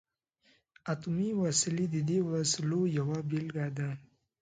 اتمي وسلې د دې وسلو یوه بیلګه ده.